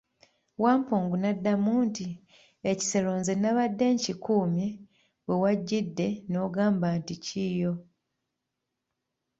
Wampungu n'addamu nti, ekisero nze nabadde nkikuumye we wajjidde n'ogamba nti kiyo!